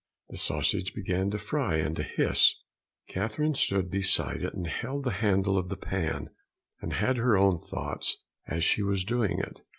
The sausage began to fry and to hiss, Catherine stood beside it and held the handle of the pan, and had her own thoughts as she was doing it.